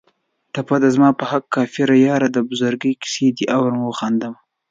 ټپه ده: زما په حق کافره یاره د بزرګۍ کیسې دې اورم و خاندمه